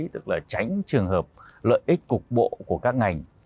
tức là tránh trường hợp lợi ích cục bộ của các ngành